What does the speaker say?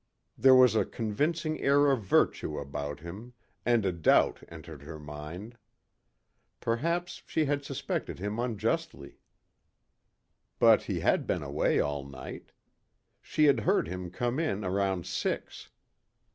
There was a convincing air of virtue about him and a doubt entered her mind. Perhaps she had suspected him unjustly. But he had been away all night. She had heard him come in around six.